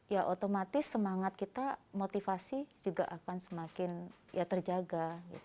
ya otomatis semangat kita motivasi juga akan semakin ya terjaga